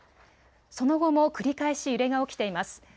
その後も繰り返し揺れが起きています。